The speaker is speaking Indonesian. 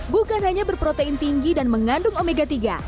bukan hanya berprotein tinggi dan mengandung omega tiga